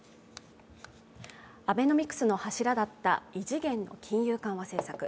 アベノミクスの柱だった異次元の金融緩和政策。